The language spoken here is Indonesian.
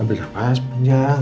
kamu bisa bernafas panjang